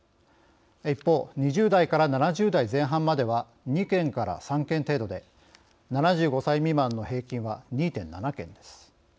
一方２０代から７０代前半までは２件から３件程度で７５歳未満の平均は２．７件です。